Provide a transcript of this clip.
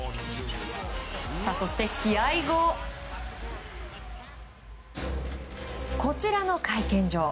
そして試合後、こちらの会見場。